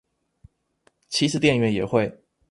其實店員也會